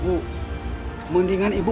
bu mendingan ibu